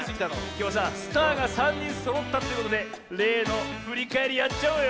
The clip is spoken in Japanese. きょうはさスターが３にんそろったってことでれいのふりかえりやっちゃおうよ。